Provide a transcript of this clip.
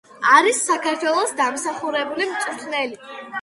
არის საქართველოს დამსახურებული მწვრთნელი.